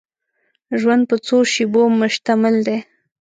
ژوند په څو شېبو مشتمل دی.